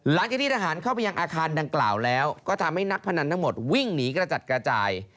หลังจากที่ทหารเข้าไปยังอาคารดังกล่าวแล้วก็ทำให้นักพนันทั้งหมดวิ่งหนีกระจัดกระจาย